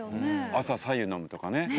朝白湯飲むとかね。